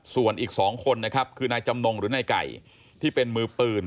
ส่วนอีก๒คนนะครับคือนายจำนงหรือนายไก่ที่เป็นมือปืน